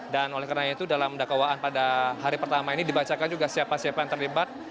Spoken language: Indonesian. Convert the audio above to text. dan oleh karena itu dalam dakwaan pada hari pertama ini dibacakan juga siapa siapa yang terlibat